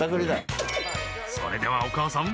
［それではお母さん。